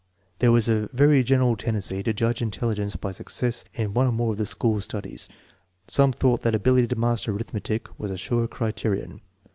There was a very general tendency to judge intelligence by success in one or more of the school studies. Some thought that ability to master arithmetic was a sure criterion.